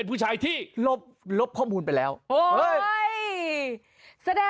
ถูกต้องแล้วนะ